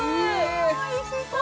おいしそう！